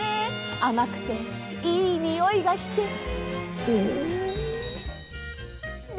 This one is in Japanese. あまくていいにおいがして。でこりんぼく